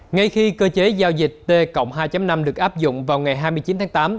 ngay khi cơ chế giao dịch t cộng hai năm được áp dụng vào ngày hai mươi chín tháng tám